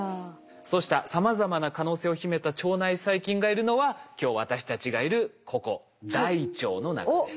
そうしたさまざまな可能性を秘めた腸内細菌がいるのは今日私たちがいるここ大腸の中です。